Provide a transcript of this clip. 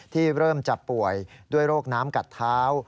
เริ่มจะป่วยด้วยโรคน้ำกัดเท้า